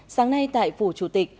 sáng nay tại phủ chủ tịch